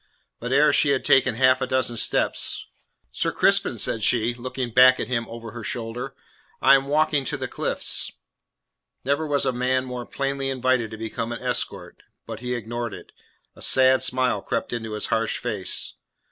But ere she had taken half a dozen steps: "Sir Crispin," said she, looking back at him over her shoulder, "I am walking to the cliffs." Never was a man more plainly invited to become an escort; but he ignored it. A sad smile crept into his harsh face.